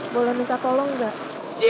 boleh minta tolong gak